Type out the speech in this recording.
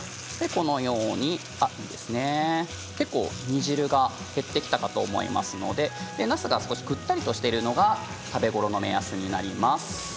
結構煮汁が減ってきたかと思いますのでなすが少しくったりとしているのが食べごろの目安になります。